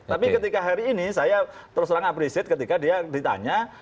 tapi ketika hari ini saya terus terang appreciate ketika dia ditanya